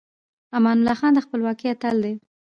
امان الله خان د خپلواکۍ اتل دی.